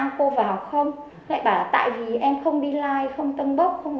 em có bài nào tấn bốc cho cô không tam cô vào không lại bảo tại vì em không đi like không tân bốc không